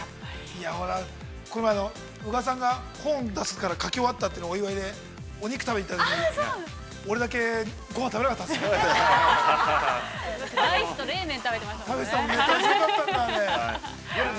◆この前の、宇賀さんが、本を出すから、書き終わったからお祝いで、お肉食べに行ったとき、俺だけ、ごはん食べなかったんですよね。